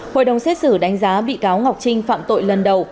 hội đồng xét xử đánh giá bị cáo ngọc trinh phạm tội lần đầu